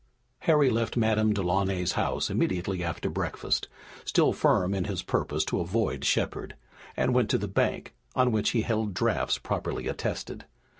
Harry left Madame Delaunay's house immediately after breakfast, still firm in his purpose to avoid Shepard, and went to the bank, on which he held drafts properly attested.